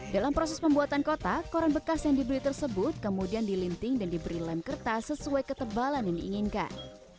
dalam proses pembuatan kotak koran bekas yang dibeli tersebut kemudian dilinting dan diberi lem kertas sesuai ketebalan yang diinginkan